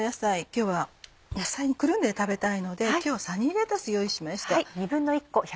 今日は野菜にくるんで食べたいので今日はサニーレタス用意しました。